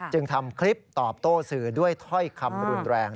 ทำคลิปตอบโต้สื่อด้วยถ้อยคำรุนแรง